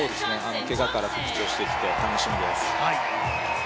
けがから復調してきて、楽しみです。